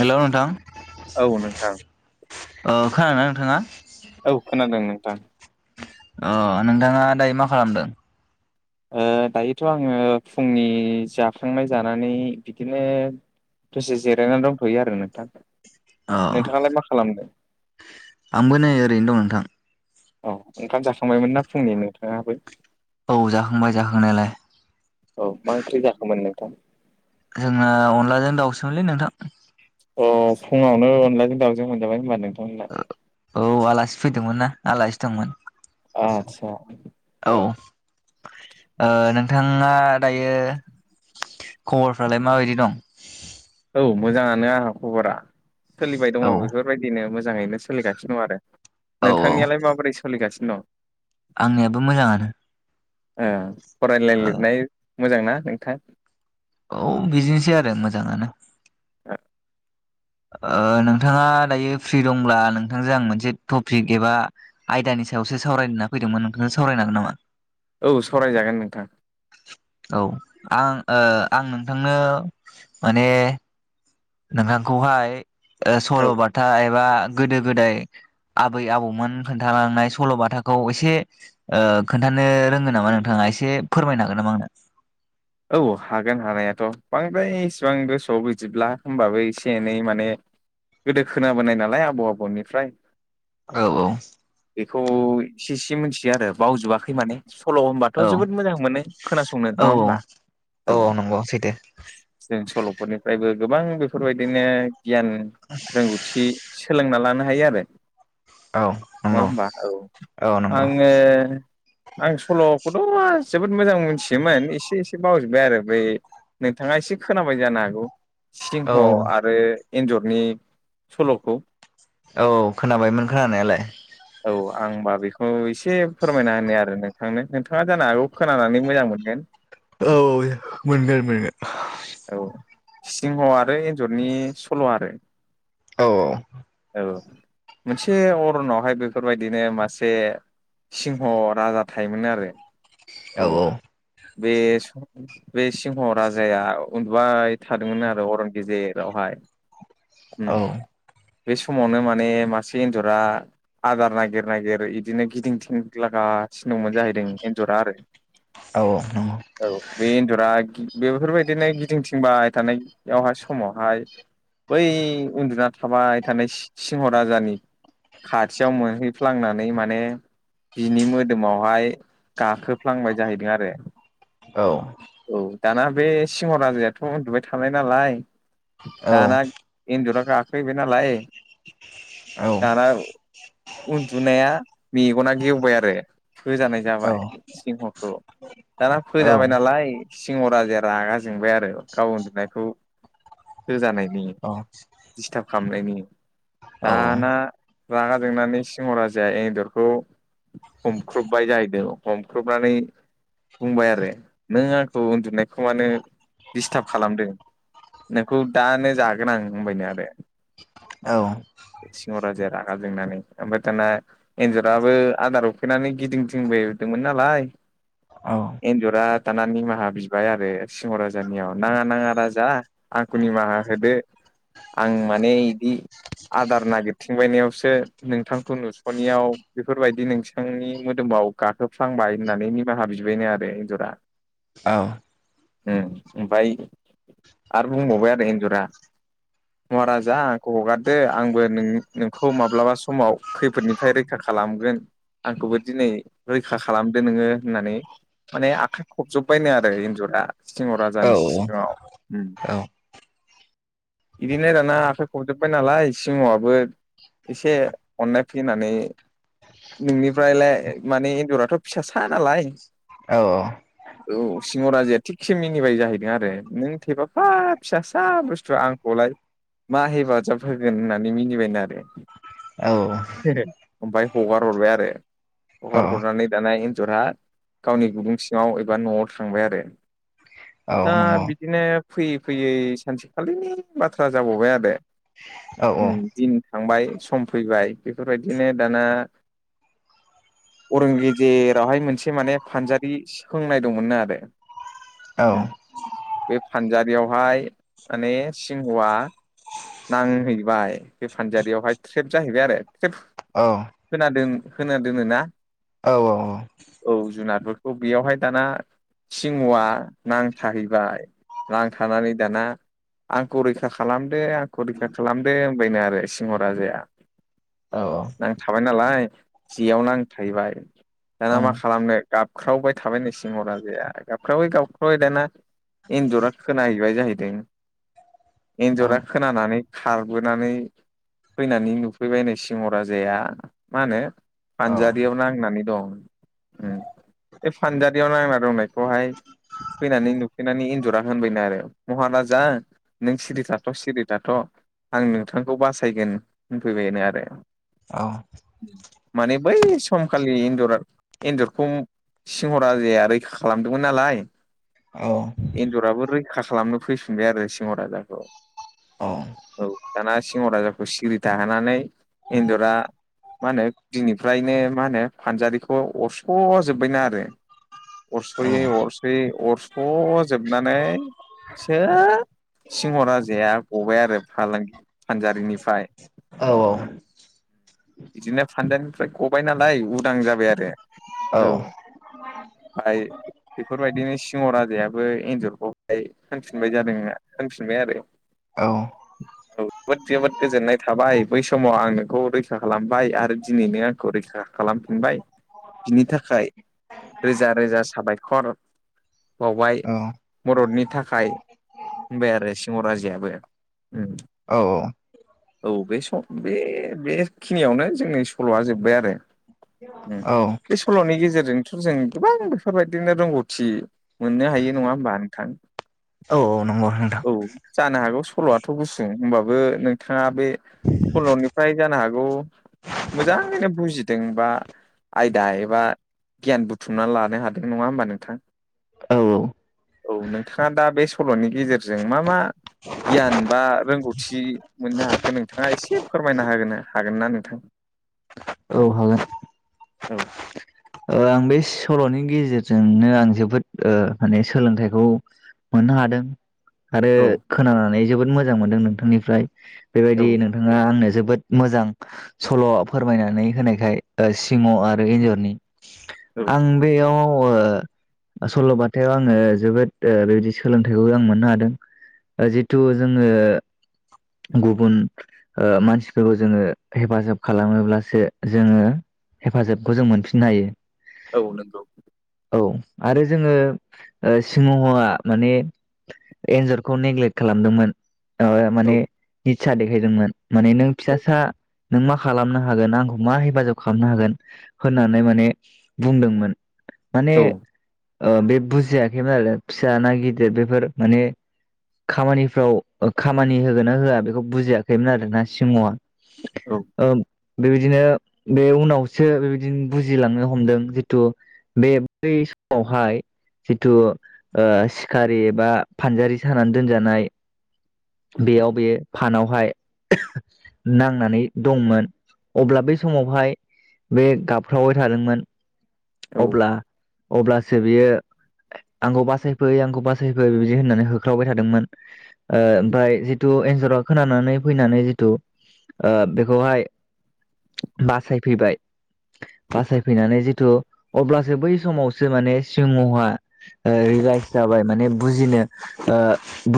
हेल नोंथां औ नोंथां खोनादोंना नोंथाङा औ खोनादों नोंथां अ नोंथाङा दायो मा खालामदों? ओ दायोथ' आंङो फुंनि जाखांनाय जानानै बिदिनो दसे जिरायनानै दंथ'यो आरो नोंथां अ नोंथाङालाय मा खालामदों आंबो नै ओरैनो दं नोंथां औ ओंखाम जाखांबायमोन ना फुंनि नोंथाङाबो? औ जाखांबाय जाखांनायालाय औ मा ओंख्रि जाखोमोन नोंथां? जोंना अनलाजों दाउसोमोनलै नोंथां। अ फुङावनो अनलाजों दाउजों मोनजाबाय होनोमबा नोंथांमोना। औ आलासि फैदोंमोन ना आलासि दंमोन। आतसा औ नोंथाङा दायो खबरफ्रालाय माबायदि दं? औ मोजाङानो आंहा खबरा सोलिबाय दङ औ बेफोर बेबायदिनो मोजाङैनो सोलिगासिनो दं आरो औ औ नोंथांनियालाय माबोरै सोलिगासिनो दं? आंनियाबो मोजाङानो ओ फरायलाय ओ लिरनाय मोजां ना नोंथां? औ बिजनेसै आरो मोजाङानो ह नोंथाङा दायो फ्रि दंब्ला नोंथांजों आं मोनसे टपिक एबा आयदानि सायावसो सावरायलना फैदोंमोन नोंथांनो सावरायनांगोन नामा? औ सरायजागोन नोंथां औ आं आं नोंथांनो माने नोंथांखौहाय औ सल'बाथा एबा गोदो गोदाय आबै आबौमोन खोन्थालांनाय सल'बाथाखौ एसे खोन्थानो रोङो नामा नोंथाङा एसे फोरमायनो हागोन नामा आंनो? औ हागोन हानायाथ' बांद्राय इसिबां गोसोआव बिदिब्ला होमबाबो एसे एनै माने गोदो खोनाबोनाय नालाय आबौ आबौनिफ्राय। औ औ बेखौ इसे इसे मिथियो आरो बावजोबाखै माने सल' होनबाथ' जोबोद मोजां मोनो खोनासंनो औ नङा होनोमबा? औ नंगौ सैथो जों सल'फोरनिफ्रायबो गोबां बेफोरबायदिनो गियान रोंगौथि। सोलोंना लानो हायो आरो औ नङा नंगौ हबा औ औ नंगौ आङो आं सल'खौथ' जोबोद मोजां मोनथियोमोन एसे एसे - एसे बावजोब्बाय आरो बै नोंथाङा एसे खोनाबाय जानो हागौ औ सिंह आरो एन्जरनि सल'खौ औ खोनाबायमोन खोनानायालाय। औ आं होनबा बेखौ एसे फोरमायना होनो आरो नोंथांनो नोंथाङा जानो हागौ खोनानानै मोजां मोनगोन। औ मोनगोन मोनगोन औ सिंह आरो एन्जरनि सल' आरो औ औ औ मोनसे अरनावहाय बेफोरबायदिनो मासे सिंह राजा थायोमोन आरो औ बे बे सिंह राजाया उन्दुबाय थादोंमोन आरो अरन गेजेरावहाय उम औ बे समावनो माने मासे एन्जरा आदार नागिर नागिर बिदिनो गिदिं थिं लागासिनो दंमोन जाहैदों एन्जरा आरो औ औ नंगौ औ बे एन्जरा बेफोरबायदिनो गिदिंथििंबाय थानायावहाय समावहाय बै उन्दुना थाबाय थानाय सिंह राजानि खाथियाव मोनहैफ्लांनानै माने बिनि मोदोमावहाय गाखोफ्लांबाय जाहैदों आरो औ औ दाना बे सिंह राजायाथ' उन्दुबाय थानाय नालाय दाना एनजरा गाखोहैबायनालाय दाना उन्दुनाया मेगना गेवबाय आरो होजानाय जाबाय सिंहखौ दाना औ फोजाबाय नालाय सिंह राजाया रागा जोंबाय आरो गाव उन्दुनायखौ होजानायनि औ डिस्टार्ब खालामनायनि। औ दाना रागा जोंनानै सिंह राजाया एनजरखौ हमख्रुबबाय जाहैदों हमख्रुबनानै बुंबाय आरो नों आंखौ उन्दुनायखौ मानो डिस्टार्ब खालामदों? नोंखौ दानो जागोन आं होनबायनो आरो। औ सिंह राजाया रागा जोंनानै ओमफ्राय दाना एनजराबो आदार उखैनानै गिदिं थिबायदोंमोन नालाय। एनजरा दाना निमाहा बिबाय आरो सिंह राजानियाव नाङा नाङा राजा आंखौ निमाहा होदो आं माने एदि आदार नागिरथिंबायनायावसो नोंथांखौ नुस'नियाव बेफोरबायदि नोंसांनि मोदोमाव गाखोफ्रांबाय होननानै निमाहा बिबायनो आरो एनजरा। ओ उ ओमफाय आरो बुंबावबाय आरो एन्जरा महाराजा आंखौ हगार दे आंबो नों नोंखौ माब्लाबा समाव खैफोदनिफ्राय रैखा खालामगोन। आंखौबो दिनै रैखा खालामदो नोङो होननानै माने आखाइ खबजोबबायनो आरो इन्जरा सिगाङाव राजानि सिगाङाव उम। औ। बिदिनो दाना आखाय खबजब बाय नालाय सिंहआबो एसे अननाय फैनानै नोंनिफ्रायलाय माने एन्जराथ' फिसा सा नालाय अ। औ सिंह राजाया थिगसे मिनिबाय जाहैदों आरो नों थेफाफा फिसासा बुस्थुआ आंखौलाय मा हेफाजाब होगोन होननानै मिनिबायनो आरो। औ। [unintelligible] आमफाय हगार हरबाय आरो। हगार हरनानै दाना एन्जरा गावनि गुदुं सिङाव एबा न'आव थांबाय आरो। दा बिदिनो फैयै फैयै सानसेखालिनि बाथ्रा जाबावबाय आरो। उम दिन थांबाय सम फैबाय बेफोरबायदिनो दाना अरन गेजेरावहाय मोनसे माने फानजारि सि खोंनाय दंमोननो आरो। उम बे फानजारियावहाय माने सिंहआ नांहैबाय बे फानजारियावहाय ट्रेब जाहैबाय आरो ट्रेब औ। खोनादों खोना दोनो ना। औ औ औ। औ जुनारफोरखौ बेयावहाय दाना सिंहआ नांथाहैबाय नांथानानै दाना आंखौ रैखा खालामदो आंखौ रैखा खालामदो होनबायनो आरो सिंह राजाया। नांथाबाय नालाय जेयाव नांथाहैबाय। दाना मा खालामनो गाबख्रावबाय थाबायनो सिंह राजाया गाबख्रावै गाबख्रावै दाना एनजरा खोनाहैबाय जाहैदों एनजरा खोनानानै खारबोनानै फैनानै नुफैबायनो सिंह राजाया मा होनो फानजारियाव नांनानै दं। उम बे फानजारियाव नांना दंनायखौहाय फैनानै नुफैनानै एनजरा होनबायनो आरो महाराजा नों सिरि थाथ' सिरि थाथ' आं नोंथांखौ बासायगोन होनफैबायनो आरो। औ। माने बै समखालि एन्जरा एन्जरखौ सिंह' राजाया रैखा खालामदोंमोन नालाय। औ। एन्जराबो रैखा खालामनो फैफिनबाय आरो सिंह' राजाखौ। अ औ दाना सिंह' राजाखौ सिरि थाहोनानानै इन्जरा मा होनो बिनिफ्रायनो मा होनो फानजारिखौ अरस'जोब्बायनो आरो। अरस'यै अरस'यै अरस'जोबनानै। सो सिंह' राजाया गबाय आरो फालांगि फानजारिनिफ्राय औ औ बिदिनो फानदों ओमफ्राय गबाय नालाय उदां जाबाय आरो औ [inaudible] बाय बेफोरबायदिनो सिंह' राजायाबो एन्जरखौहाय होनफिनबाय जादों होनफिनबाय आरो औ औ जोबोद जोबोद गोजोननाय थाबाय बै समाव आं नोंखौ रै रैखा खालामबाय आरो दिनैनो आंखौ रैखा खालामफिनबाय बिनि थाखाय रोजा रोजा साबायखर बावबाय मददनि थाखाय होनबाय आरो सिंह' राजायाबो औ बे स' बे खिनियावनो जोंनि सल'आ जोब्बाय आरो उम औ बे सल'नि गेजेरजोंथ' जों गोबां बेफोरबायदिनो रोंगौथि मोननो हायो नङा होमबा नोंथां औ औ नंगौ नोंथां औ जानो हागौ सल'आथ' गुसुं होमबाबो नोंथाङा बे सल'निफ्राय जानो हा [inaudible] मोजाङैनो बुजिदों बा आयदा एबा गियान बुथुमनानै लानो हादों नङा होमबा नोंथां। ओ औ नोंथाङा दा बे सल'नि गेजेरजों मा मा गियान बा रोंगौथि मोननो हाखो नोंथाङा एसे फोरमायना होगोनो हागोन ना नोंथां? औ हागोन औ आं बे सल'नि गेजेरजोंनो आं जोबोद ओ माने सोलोंथाइखौ मोननो हादों आरो औ खोनानानै जोबोद मोजां मोनदों नोंथांनिफ्राय औ बेबायदि नों नोङा आंनो जोबोद मोजां सल' फोरमायनानै होनायखाय ओ सिंह आरो एन्जरनि। औ आं बेयाव ओ ओ सल'बाथायाव आङो जोबोद ओ बेबायदि सोलोंथाइखौ आं मोननो हादों। ओ जिथु जोङो गुबुन ओ मानसिफोरखौ जोङो हेफाजाब खालामोब्लासो जोङो हेफाजाबखौ जों मोनफिननो हायो। औ नंगौ औ आरो जोङो ओ सिंहआ माने एन्जरखौ नेग्लेक्ट खालामदोंमोन ओ औ माने इस्सा देखायदोंमोन माने नों फिसासा नों मा खालामनो हागोन आंखौ मा हेफाजाब खालामनो हागोन होननानै माने बुंदोंमोन माने औ ओ बे बुजियाखैमोन आरो फिसा ना गिदिर बेफोर माने खामानिफ्राव खामानि होगोन ना होआ बेखौ बुजियाखैमोन आर ना सिंहआ औ ओ बेबायदिनो बे उनावसो बेबायदिनो बुजिलांनो ह हमदों जिथु बे बै समावहाय जिथु ओ सिखारि एबा फानजारि सानानै दोनजानाय बेयाव बे फानावहाय [unintelligible] नांनानै दंमोन। अब्ला बे समावहाय बे गाबख्रावबाय थादोंमोन। औ अब्ला-अब्लासो बियो आंखौ बासायफै आंखौ बासायफै बिबादि होननानै होख्रावबाय थादोंमोन। ओ ओमफाय जिथु एन्जरा खोनानानै फैनानै जिथु ओ बेखौहाय बासायफैबाय बासाय फैनानै जिथु अब्लासो बै समावसो माने सिमहवा ओ रिलाइस जाबाय माने बुजिनो ओ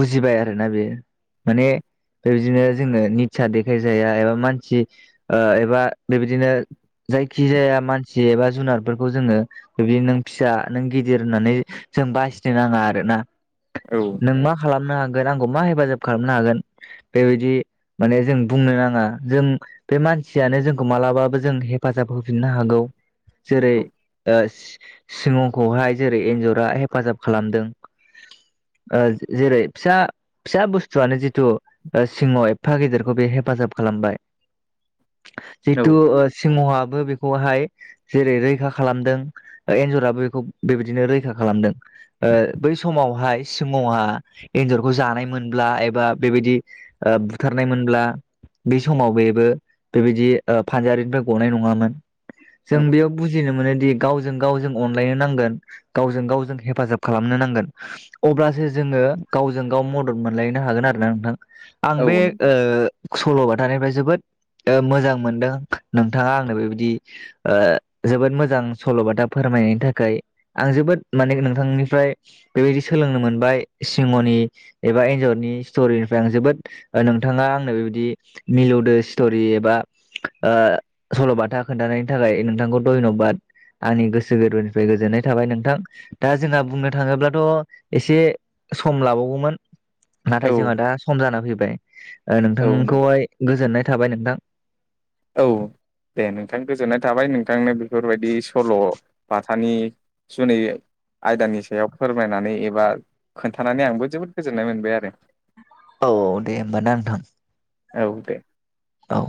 बुजिबाय आरोना बेयो। माने बेबायदिनो जोङो निसा देखायजाया एबा मानसि ओ एबा बेबायदिनो जायखिजाया मानसि एबा जुनारफोरखौ जोङो बिदि नों फिसा नों गिदिर होननानै जों बासिनो नाङा आरोना औ नों मा खालामनो हागोन आंखौ मा हेफाजाब खालामनो हागोन बेबायदि माने जों बुंनो नाङा जों बे मानसियानो जोंखौ मालाबाबो जों हेफाजाब होफिननो हागौ। जेरै ओ सि-सिंहखौहाय जेरै एन्जरा हेफाजाब खालामदों। ओ जेरै फिसा फिसा बुस्थुआनो जिथु ओ सिंह एफा गेदेरखौ बे हेफाजाब खालामबाय। औ जिहेतु सिंहआबो बेखौहाय जेरै रैखा खालामदों ओ एन्जराबो बेखौ बेबायदिनो रैखा खालामदों। ओ बै समावहाय सिंहवा एन्जरखौ जानाय मोनब्ला एबा बेबायदि बुथारनायमोनब्ला बे समाव बेबो बेबायदि ओ फानजारिनिफ्राय गनाय नङामोन औ जों बेयाव बुजिनो मोनोदि गावजों गाव जों अनलायनो नांगोन गावजों गाव जों हेफाजाब खालामनो नांगोन। अब्लासो जोङो गावजों गाव मदद मोनलायनो हागोन आरोना नोंथां। आं औ बे नंगौ ओ सल'बाथानिफ्राय जोबोद ओ मोजां मोनदों नोंथाङा आंनो बेबायदि ओ जोबोद मोजां सल'बाथा फोरमायनायनि थाखाय आं जोबोद माने नोंथांनिफ्राय बेबायदि सोलोंनो मोनबाय सिंहनि एबा एन्जरनि स्ट'रिनिफ्राय आं जोबोद ओ नोंथाङा आंनो बेबायदि मिलौदो स्ट'रि एबा ओ सल'बाथा खोन्थानायनि थाखाय नोंथांखौ धन्यबाद आंनि गोसो गोरबोनिफ्राय गोजोननाय थाबाय नोंथां। दा जोंहा बुंनो थाङोब्लाथ' एसे सम लाबावगौमोन। औ नाथाय जोंहा दा सम जाना फैबाय ओ औ नंगौ नोंथांखौहाय गोजोननाय थाबाय नोंथां। औ दे नोंथां गोजोननाय थाबाय नोंथांनो बेफोरबायदि सल' बाथानि जुनै आयदानि सायाव फोरमायनानै एबा खोन्थानानै आंबो जोबोद गोजोननाय मोनबाय आरो। औ-औ दे होमबाना नोंथां। औ दे। औ।